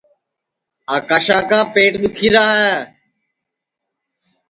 آکاشا کا پیٹ دُؔکھیرا ہے